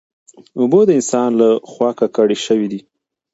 اوبه د انسان له خوا ککړې شوې دي.